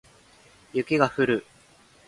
雪が降る